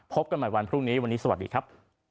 กันใหม่วันพรุ่งนี้วันนี้สวัสดีครับ